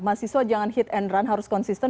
mahasiswa jangan hit and run harus konsisten